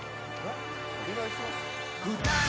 「お願いします」？